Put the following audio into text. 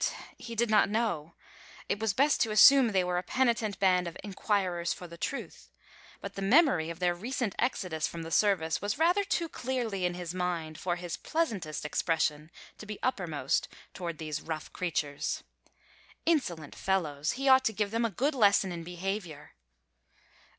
He did not know. It was best to assume they were a penitent band of inquirers for the truth. But the memory of their recent exodus from the service was rather too clearly in his mind for his pleasantest expression to be uppermost toward these rough creatures. Insolent fellows! He ought to give them a good lesson in behavior!